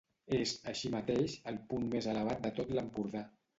És, així mateix, el punt més elevat de tot l'Empordà.